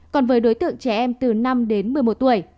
còn với đối tượng trẻ em từ năm đến một mươi một tuổi